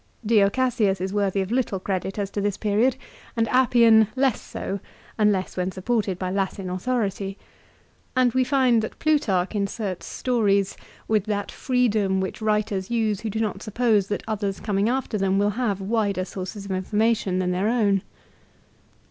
Dio Cassius is worthy of little credit as to this period, and Appian less so, unless when supported by Latin authority. And we find that Plutarch inserts stories with that freedom which writers use who do not suppose that others coming after them will have wider sources of information than their own.